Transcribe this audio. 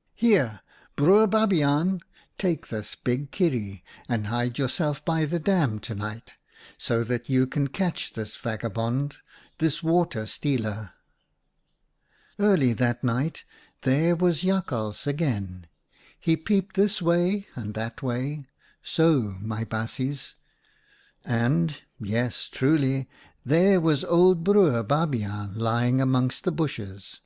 Hoorr rr rr ! Here, Broer Babiaan, take this big kierie and hide yourself by the dam to night, so that THE ANIMALS' DAM 95 you can catch this Vagabond, this Water stealer.' " Early that night, there was Jakhals again. He peeped this way and that way — so, my baasjes, — and, yes truly, there was old Broer Babiaan lying amongst the bushes.